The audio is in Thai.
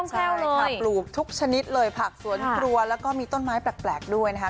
ใช่เลยค่ะปลูกทุกชนิดเลยผักสวนครัวแล้วก็มีต้นไม้แปลกด้วยนะคะ